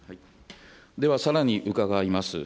では、さらに伺います。